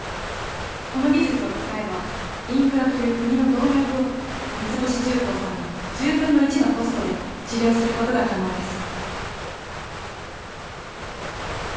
この技術を使えばインフラという国の動脈を三ツ星重工さんの１０分の１のコストで治療することが可能です。